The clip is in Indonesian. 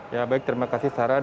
ya baik terima kasih sarah